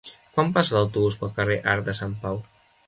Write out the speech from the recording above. Quan passa l'autobús pel carrer Arc de Sant Pau?